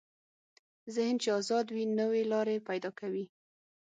ذهن چې ازاد وي، نوې لارې پیدا کوي.